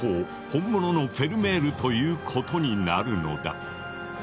本物のフェルメールということになるのだ。